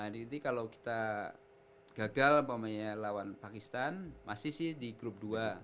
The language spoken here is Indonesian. nah ini kalau kita gagal namanya lawan pakistan masih sih di group dua